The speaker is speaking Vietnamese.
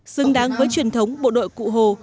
xứng đáng với truyền thống bộ đội cụ hồ